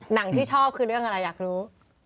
ที่ชอบคือเรื่องอะไรอยากรู้